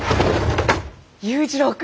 佑一郎君！